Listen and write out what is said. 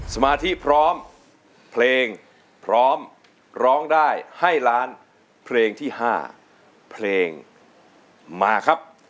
สมาธิพร้อมเพลงพร้อมร้องได้ให้ล้านเพลงที่๕เพลงมาครับ